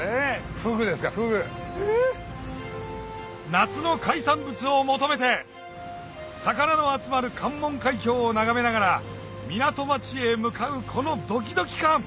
夏の海産物を求めて魚の集まる関門海峡を眺めながら港町へ向かうこのドキドキ感！